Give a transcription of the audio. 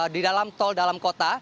di dalam tol dalam kota